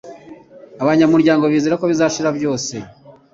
abanyamuryango bizera ko bizashira byose